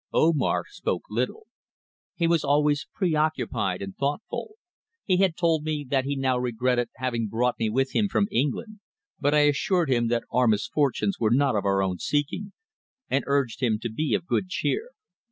Omar spoke little. He was always pre occupied and thoughtful. He had told me that he now regretted having brought me with him from England, but I assured him that our misfortunes were not of our own seeking, and urged him to be of good cheer.